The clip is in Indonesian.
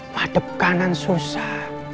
madep kanan susah